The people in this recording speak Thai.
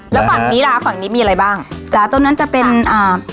แล้วฝั่งนี้ล่ะฝั่งนี้มีอะไรบ้างจ้ะตรงนั้นจะเป็นอ่า